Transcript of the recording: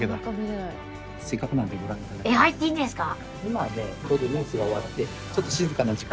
えっ入っていいんですか！？